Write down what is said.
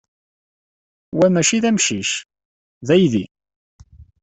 Wa maci d amcic. D aydi.